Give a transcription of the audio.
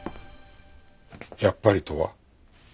「やっぱり」とは？